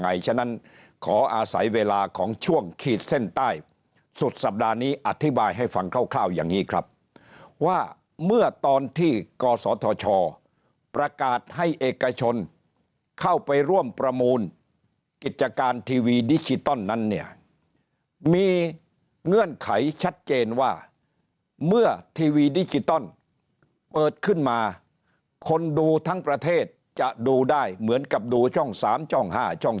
ฉะนั้นขออาศัยเวลาของช่วงขีดเส้นใต้สุดสัปดาห์นี้อธิบายให้ฟังคร่าวอย่างนี้ครับว่าเมื่อตอนที่กศธชประกาศให้เอกชนเข้าไปร่วมประมูลกิจการทีวีดิจิตอลนั้นเนี่ยมีเงื่อนไขชัดเจนว่าเมื่อทีวีดิจิตอลเปิดขึ้นมาคนดูทั้งประเทศจะดูได้เหมือนกับดูช่อง๓ช่อง๕ช่อง